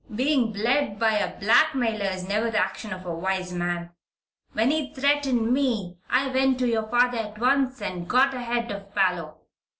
"Being bled by a blackmailer is never the action of a wise man. When he threatened me I went to your father at once and got ahead of Parloe.